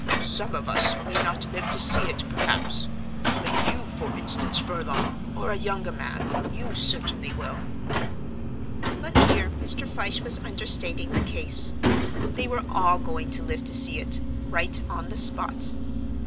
Some of us may not live to see it, perhaps; but you, for instance, Furlong, are a younger man; you certainly will." But here Mr. Fyshe was understating the case. They were all going to live to see it, right on the spot.